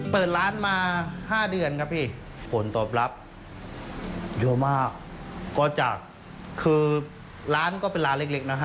เปิดร้านมา๕เดือนผ่อนตบรับเยอะมาก